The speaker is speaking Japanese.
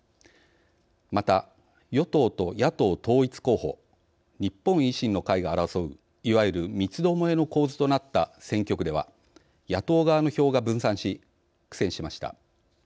また、与党と野党統一候補日本維新の会が争ういわゆる三つどもえの構図となった選挙区では野党側の票が分散し苦戦しました。